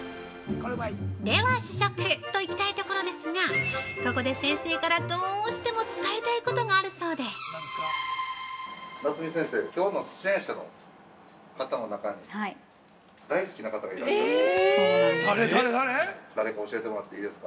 では、試食といきたいところですがここで先生から、どうしても伝えたいことがあるそうで◆そうなんです。